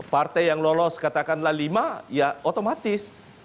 partai yang lolos katakanlah lima ya otomatis